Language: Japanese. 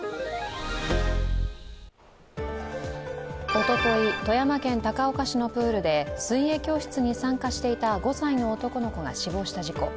おととい、富山県高岡市のプールで水泳教室に参加していた５歳の男の子が死亡した事故。